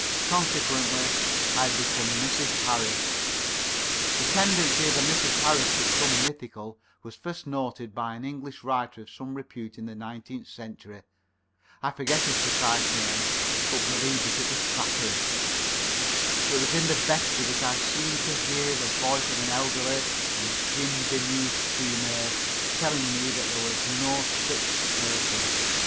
Consequently, I had become Mrs. Harris. The tendency of a Mrs. Harris to become mythical was first noticed by an English writer of some repute in the nineteenth century. I forget his precise name, but believe that it was Thackeray. It was in the vestry that I seemed to hear the voice of an elderly and gin bemused female telling me that there was no sich person.